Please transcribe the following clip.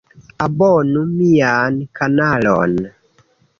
Abonu mian kanalon